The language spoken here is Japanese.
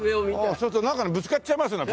ああそうすると何かにぶつかっちゃいますね